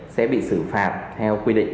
sẽ bị xử phạt theo quy định